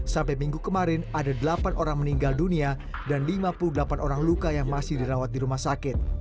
sampai minggu kemarin ada delapan orang meninggal dunia dan lima puluh delapan orang luka yang masih dirawat di rumah sakit